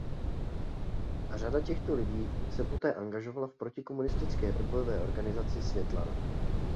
Řada těchto lidí se poté angažovala v protikomunistické odbojové organizaci Světlana.